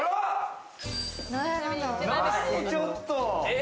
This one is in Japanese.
何ちょっと。